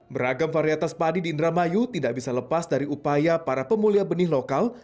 beragam varietas padi di indramayu tidak bisa lepas dari upaya para pemulia benih lokal